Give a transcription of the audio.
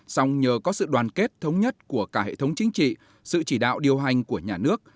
xong nhờ có sự đoàn kết thống nhất của cả hệ thống chính trị sự chỉ đạo điều hành của nhà nước